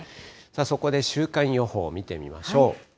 そこで週間予報見てみましょう。